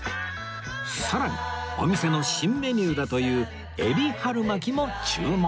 さらにお店の新メニューだというエビ春巻も注文